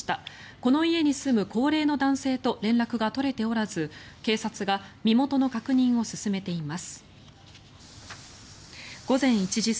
この家に住む高齢の男性と連絡が取れておらず警察が身元の確認を進めています。